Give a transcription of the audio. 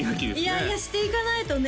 いやいやしていかないとね